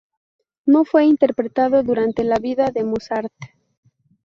No fue interpretado durante la vida de Mozart.